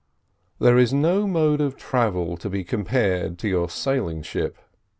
There is no mode of travel to be compared to your sailing ship.